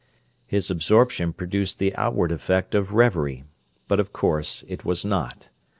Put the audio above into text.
His absorption produced the outward effect of reverie, but of course it was not.